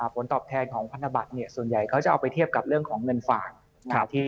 ผลตอบแทนของพันธบัตรส่วนใหญ่เขาจะเอาไปเทียบกับเรื่องของเงินฝาก